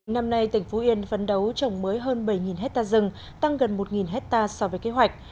năm nay tỉnh phú yên phấn đấu trồng mới hơn bảy hectare rừng tăng gần một hectare so với kế hoạch